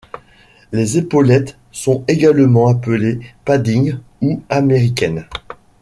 Les épaulettes sont également appelées paddings ou américaines.